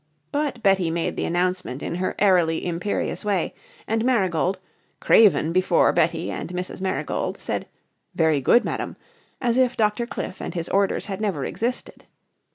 But Betty made the announcement in her airily imperious way, and Marigold, craven before Betty and Mrs. Marigold, said "Very good, madam," as if Dr. Cliffe and his orders had never existed.